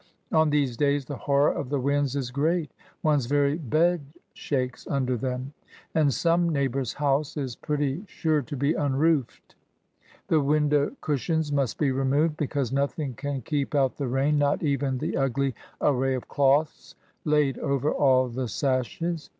On these days, the horror of the winds is great. One's very bed shakes under them ; and some neighbour's house is pretty sure to be un roofed. The window cushions must be removed, because nothing can keep out the rain, not even the ugly array of cloths laid over all the sashes.